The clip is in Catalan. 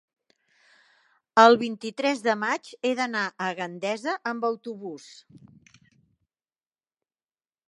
el vint-i-tres de maig he d'anar a Gandesa amb autobús.